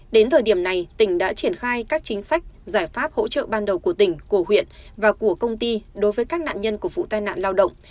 đến thời điểm này tỉnh đã triển khai các chính sách giải pháp hỗ trợ ban đầu của tỉnh của huyện và của công ty đối với các nạn nhân của vụ tai nạn lao động